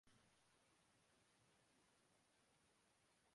Khanauri